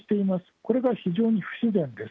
これが非常に不自然です。